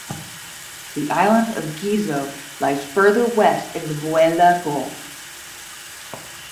The island of Gizo lies further west in the Vella Gulf.